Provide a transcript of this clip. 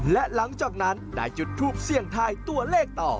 และหลังจากนั้นได้จุดทูปเสี่ยงทายตัวเลขต่อ